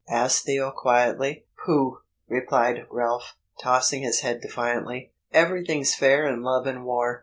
asked Theo quietly. "Pooh!" replied Ralph, tossing his head defiantly; "everything's fair in love and war."